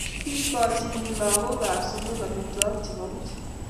Kikochini lagokab sukul amitwogik chebo buch